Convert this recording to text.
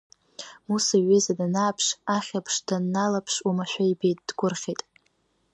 Муса иҩыза данааԥш, ахьаԥшь данналаԥш, уамашәа ибеит, дгәырӷьеит.